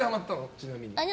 ちなみに。